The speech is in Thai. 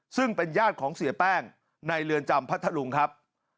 ซึ่งเป็นญาติของเสียแป้งในเรือนจำพัทธลุงครับ